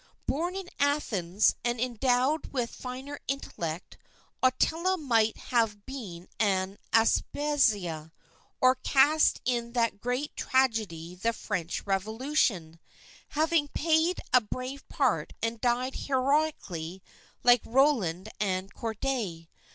Born in Athens, and endowed with a finer intellect, Ottila might have been an Aspasia; or cast in that great tragedy the French Revolution, have played a brave part and died heroically like Roland and Corday.